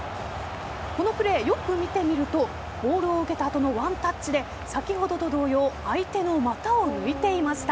このプレー、よく見てみるとボールを受けた後のワンタッチで先ほどと同様相手の股を抜いていました。